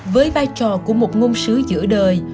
với vai trò của một ngôn sứ giữa đời